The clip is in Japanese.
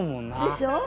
でしょう？